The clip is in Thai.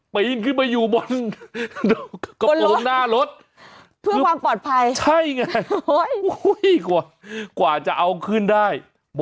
ปีนขึ้นไปอยู่บนกระโปรงหน้ารถเพื่อความปลอดภัยใช่ไง